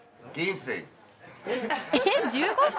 えっ１５歳！？